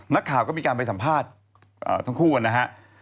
นักข่าวก็มีการไปสัมภาษณ์ทั้งคู่นะครับ